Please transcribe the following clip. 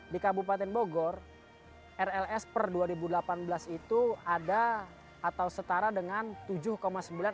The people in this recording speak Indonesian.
di kabupaten bogor rls per dua ribu delapan belas itu ada atau setara dengan